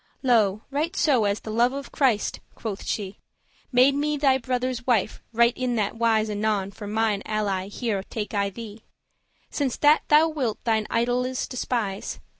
"Lo, right so as the love of Christ," quoth she, "Made me thy brother's wife, right in that wise Anon for mine ally here take I thee, Since that thou wilt thine idoles despise.